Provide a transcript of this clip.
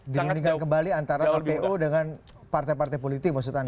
dirundingan kembali antara kpu dengan partai partai politik maksudnya